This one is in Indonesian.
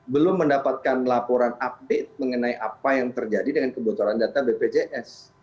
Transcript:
belum mendapatkan laporan update mengenai apa yang terjadi dengan kebocoran data bpjs